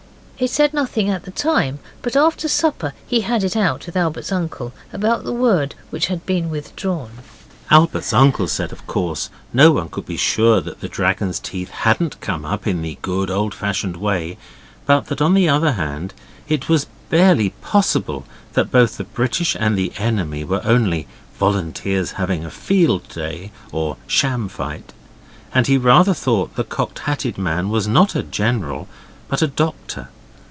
He said nothing at the time, but after supper he had it out with Albert's uncle about the word which had been withdrawn. Albert's uncle said, of course, no one could be sure that the dragon's teeth hadn't come up in the good old fashioned way, but that, on the other hand, it was barely possible that both the British and the enemy were only volunteers having a field day or sham fight, and he rather thought the Cocked Hatted Man was not a general, but a doctor.